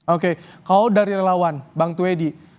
oke kalau dari relawan bang tuwedi